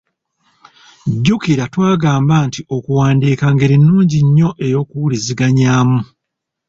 Jjukira twagamba nti okuwandiika ngeri nnungi nnyo ey’okuwuliziganyaamu.